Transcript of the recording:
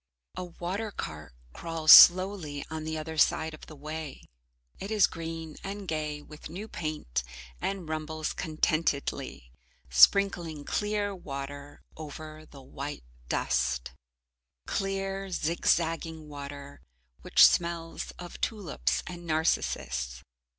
A water cart crawls slowly on the other side of the way. It is green and gay with new paint, and rumbles contentedly, sprinkling clear water over the white dust. Clear zigzagging water, which smells of tulips and narcissus.